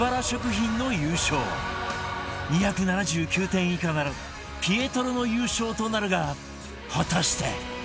２７９点以下ならピエトロの優勝となるが果たして